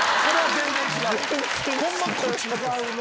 全然違う！